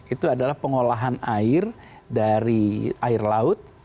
itu adalah pengolahan air dari air laut